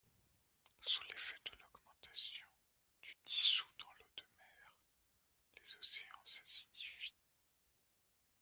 Sous l'effet de l'augmentation du dissous dans l'eau de mer, les océans s’acidifient.